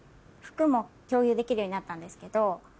できるようになったんですけど。